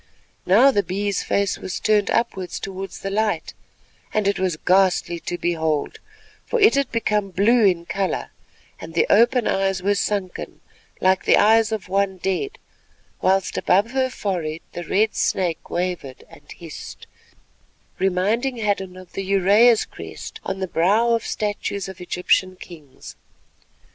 Now the Bee's face was turned upwards towards the light, and it was ghastly to behold, for it had become blue in colour, and the open eyes were sunken like the eyes of one dead, whilst above her forehead the red snake wavered and hissed, reminding Hadden of the Uraeus crest on the brow of statues of Egyptian kings.